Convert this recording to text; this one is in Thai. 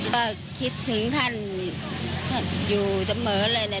ก็คิดถึงท่านอยู่เสมอเลยแหละ